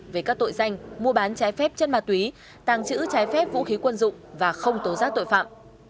về các tội danh mua bán trái phép chân ma túy tàng trữ trái phép vũ khí quân dụng và không tố giác tội phạm